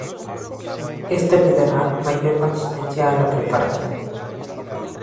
Esto le dará mayor consistencia a la preparación.